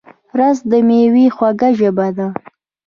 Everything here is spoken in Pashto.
رس د مېوې خوږه ژبه ده